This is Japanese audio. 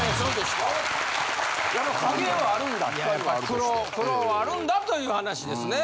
苦労はあるんだという話ですね。